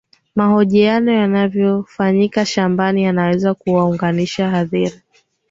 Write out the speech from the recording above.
mahojiano yanayofanyika shambani yanaweza kuwaunganisha hadhira